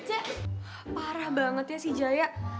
cek parah banget ya si jaya